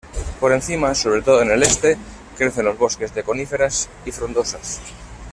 Por encima, sobre todo en el este, crecen los bosques de coníferas y frondosas.